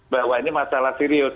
bahwa ini masalah serius